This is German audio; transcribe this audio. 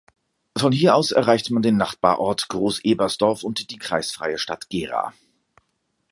Von hier aus erreicht man den Nachbarort Großebersdorf und die kreisfreie Stadt Gera.